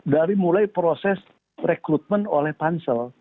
dari mulai proses rekrutmen oleh pansel